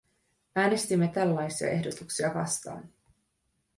Äänestimme tällaisia ehdotuksia vastaan.